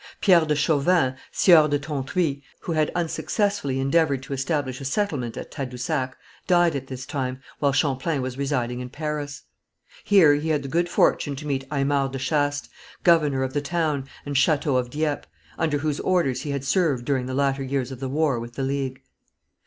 Pierre de Chauvin, Sieur de Tontuit, who had unsuccessfully endeavoured to establish a settlement at Tadousac, died at this time, while Champlain was residing in Paris. Here he had the good fortune to meet Aymar de Chastes, governor of the town and château of Dieppe, under whose orders he had served during the latter years of the war with the League.